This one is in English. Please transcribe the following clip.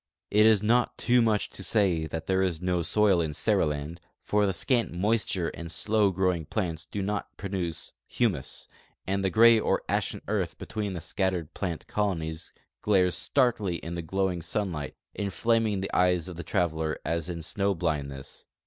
It is not too much to say that there is no soil in Seriland, for the scant moisture and slow growing plants do not produce humus; and the gray or ashen earth between the scattered plant colonies glares starkly in the glowing sun light, inflaming the eyes of the traveler as in snow blindness.